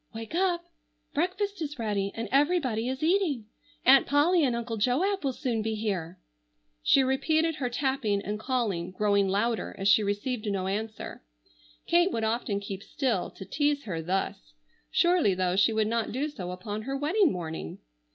Wake up. Breakfast is ready and everybody is eating. Aunt Polly and Uncle Joab will soon be here." She repeated her tapping and calling, growing louder as she received no answer. Kate would often keep still to tease her thus. Surely though she would not do so upon her wedding morning!